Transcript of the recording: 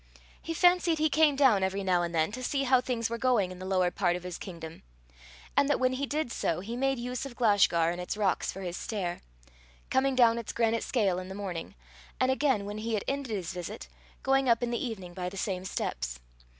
He fancied he came down every now and then to see how things were going in the lower part of his kingdom; and that when he did so, he made use of Glashgar and its rocks for his stair, coming down its granite scale in the morning, and again, when he had ended his visit, going up in the evening by the same steps.